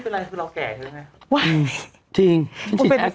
ไม่เป็นไรคือเราแก่ใช่ไหม